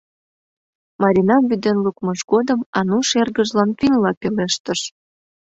Маринам вӱден лукмыж годым Ануш эргыжлан финнла пелештыш: